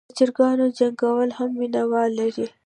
د چرګانو جنګول هم مینه وال لري.